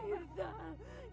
ampuni dosa anakku